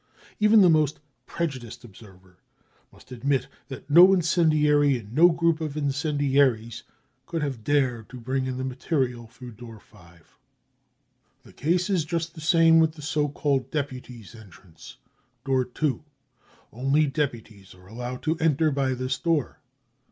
Even the most prejudiced observer must admit that no incendiary and no group of incendiaries could have dared to bring in the material through door 5. The case is just the same with the so called deputies 9 entrance, door 2. Only deputies are allowed to enter by this door.